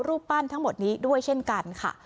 รูปปั้นทั้งหมดนี้ด้วยเช่นกันค่ะ